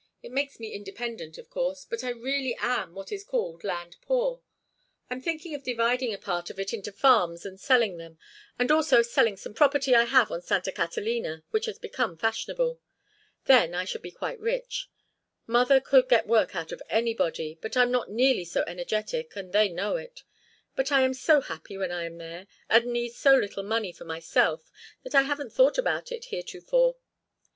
It makes me independent, of course, but I really am what is called land poor. I'm thinking of dividing a part of it into farms and selling them, and also of selling some property I have on Santa Catalina, which has become fashionable. Then I should be quite rich. Mother could get work out of anybody, but I am not nearly so energetic, and they know it. But I am so happy when I am there, and need so little money for myself that I haven't thought about it heretofore.